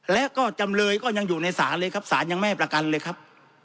และก็จำเลยก็ยังอยู่ในศาลเลยครับศาลยังไม่ให้ประกันเลยครับ